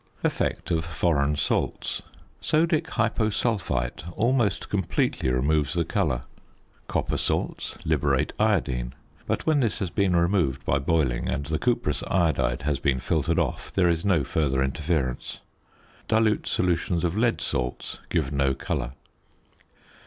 ~Effect of Foreign Salts.~ Sodic hyposulphite almost completely removes the colour. Copper salts liberate iodine; but when this has been removed by boiling and the cuprous iodide has been filtered off there is no further interference. Dilute solutions of lead salts give no colour.